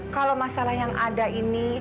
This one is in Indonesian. kalau masalah yang ada ini